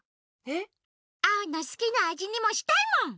えっ？アオのすきなあじにもしたいもん！